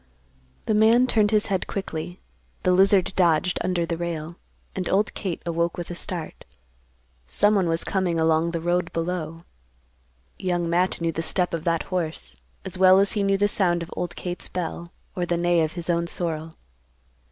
The man turned his head quickly; the lizard dodged under the rail; and old Kate awoke with a start. Someone was coming along the road below. Young Matt knew the step of that horse, as well as he knew the sound of old Kate's bell, or the neigh of his own sorrel.